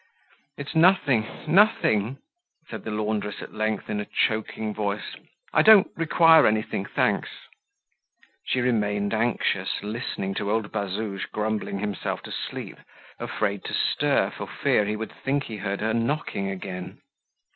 "It's nothing, nothing," said the laundress at length in a choking voice. "I don't require anything, thanks." She remained anxious, listening to old Bazouge grumbling himself to sleep, afraid to stir for fear he would think he heard her knocking again.